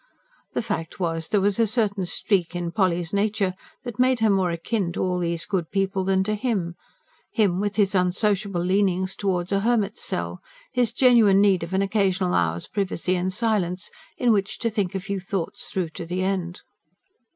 The fact was, there was a certain streak in Polly's nature that made her more akin to all these good people than to him him with his unsociable leanings towards a hermit's cell; his genuine need of an occasional hour's privacy and silence, in which to think a few thoughts through to the end.